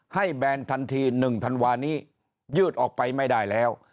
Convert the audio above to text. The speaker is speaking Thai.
แบนทันที๑ธันวานี้ยืดออกไปไม่ได้แล้ว